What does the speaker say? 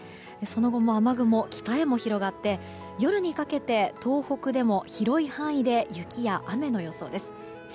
その後も雨雲、北へも広がって夜にかけて東北でも広い範囲で雪や雨の予想です。